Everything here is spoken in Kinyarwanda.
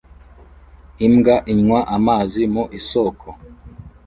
Imbwa inywa amazi mu isoko